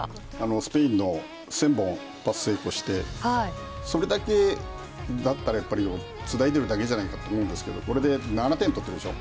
スペインの１０００本、パス成功してそれだけだったらつないでるだけじゃないかと思うんですけどこれで７点取ってるでしょう。